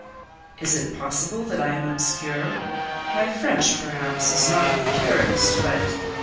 "Is it possible that I am obscure? My French, perhaps, is not of the purest, but...."